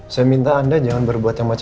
saya minta anda jangan berbuat hal yang berbeda